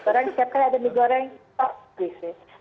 orang siapkan ada mie goreng kok disini